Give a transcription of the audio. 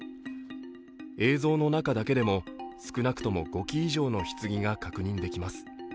映像の中だけでも少なくとも５基以上のひつぎが確認されます。